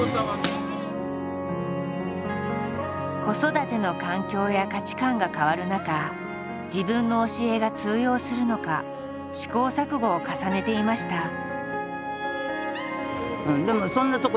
子育ての環境や価値観が変わる中自分の教えが通用するのか試行錯誤を重ねていました。